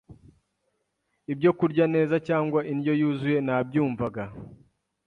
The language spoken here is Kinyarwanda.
ibyo kurya neza cyangwa indyo yuzuye nabyumvaga